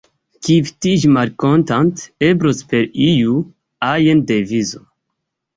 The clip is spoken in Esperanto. Kvitiĝi malkontante eblos per iu ajn devizo.